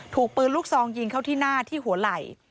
ถูกปืนลูกซองยิงเข้าที่หน้าที่หัวไหล่